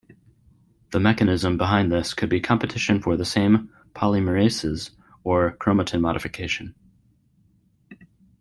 The mechanism behind this could be competition for the same polymerases, or chromatin modification.